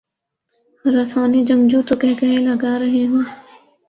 خراسانی جنگجو تو قہقہے لگارہے ہوں۔